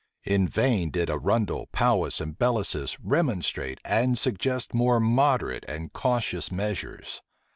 In vain did Arundel, Powis, and Bellasis, remonstrate, and suggest more moderate and cautious measures.